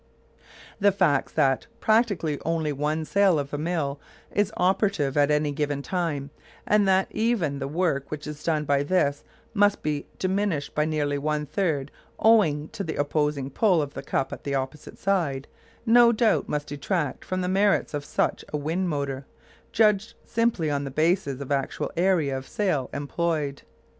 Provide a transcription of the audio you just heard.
The facts that practically only one sail of the mill is operative at any given time, and that even the work which is done by this must be diminished by nearly one third owing to the opposing "pull" of the cup at the opposite side, no doubt must detract from the merits of such a wind motor, judged simply on the basis of actual area of sail employed.